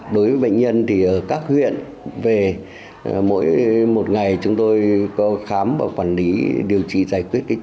đối với bệnh nhân thì ở các huyện về mỗi một ngày chúng tôi có khám và quản lý điều trị giải quyết